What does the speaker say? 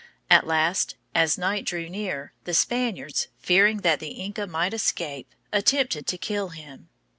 At last, as night drew near, the Spaniards, fearing that the Inca might escape, attempted to kill him.